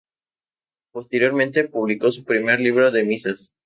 Posteriormente publicó su primer libro de misas.